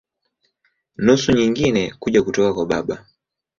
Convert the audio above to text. Nusu nyingine kuja kutoka kwa baba.